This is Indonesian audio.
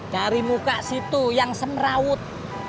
dari muka situ yang semerawut